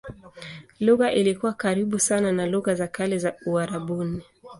Lugha ilikuwa karibu sana na lugha za kale za Uarabuni.